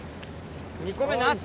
２個目なし。